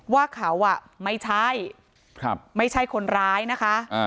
ว่าเขาไม่ใช่คนร้ายนะคะ